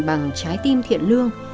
bằng trái tim thiện lương